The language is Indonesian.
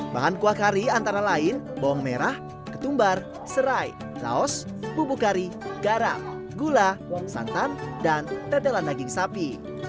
bahan kuah kari antara lain bawang merah ketumbar serai laos bubuk kari garam gula santan dan tetelan daging sapi